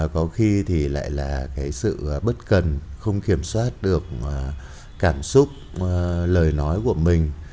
có khi thì lại là cái sự bất cần không kiểm soát được cảm xúc lời nói của mình